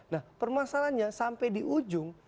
nah permasalahannya sampai di ujung